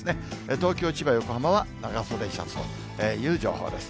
東京、千葉、横浜は長袖シャツという情報です。